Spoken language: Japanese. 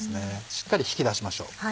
しっかり引き出しましょう。